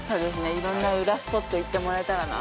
いろんなウラスポット行ってもらえたらな